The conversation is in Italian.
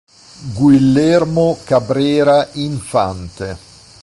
Guillermo Cabrera Infante